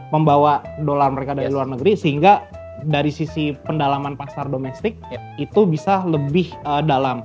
membawa dolar mereka dari luar negeri sehingga dari sisi pendalaman pasar domestik itu bisa lebih dalam